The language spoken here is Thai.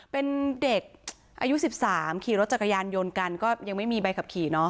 เป็นเด็กอายุ๑๓ขี่รถจักรยานยนต์กันก็ยังไม่มีใบขับขี่เนาะ